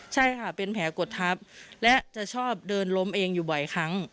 ใช่ค่ะเป็นแผลกดทับและจะชอบเดินล้มเองอยู่บ่อยครั้ง